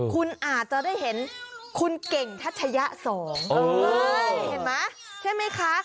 คุณอาจจะได้เห็นคุณเก่งทัชยะสองเห็นไหมใช่ไหมคะ